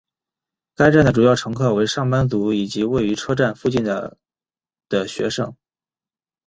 该站的主要乘客为上班族以及位于车站附近的的学生。